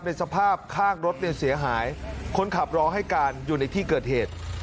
สภาพข้างรถเนี่ยเสียหายคนขับรอให้การอยู่ในที่เกิดเหตุ